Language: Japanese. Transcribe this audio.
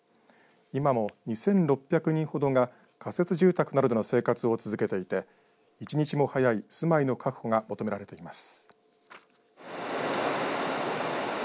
今も２６００人ほどが仮設住宅などでの生活を続けていて一日も早い住まいの確保が求められています。